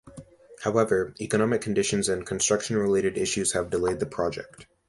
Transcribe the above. However, economic conditions and construction-related issues have delayed the project.